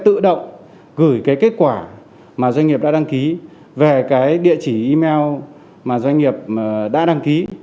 tự động gửi cái kết quả mà doanh nghiệp đã đăng ký về cái địa chỉ email mà doanh nghiệp đã đăng ký